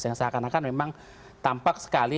yang seakan akan memang tampak sekali